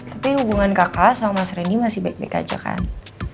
tapi hubungan kakak sama mas reni masih baik baik aja kan